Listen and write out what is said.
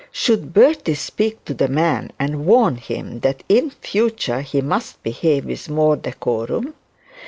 Should Bertie speak to the man, and warn him that in future he must behave with more decorum?